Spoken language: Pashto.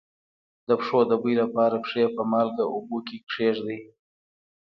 د پښو د بوی لپاره پښې په مالګه اوبو کې کیږدئ